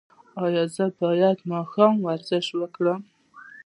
ایا زه باید ماښام ورزش وکړم؟